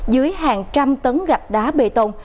dưới hàng trăm tấn gạch đá bê tông